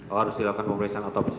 oh harus dilakukan pemeriksaan otopsi